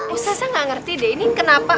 ustazah gak ngerti deh ini kenapa